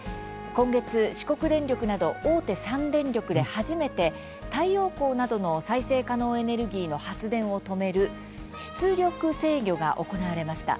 今月、四国電力など大手３電力で初めて太陽光などの再生可能エネルギーの発電を止める出力制御が行われました。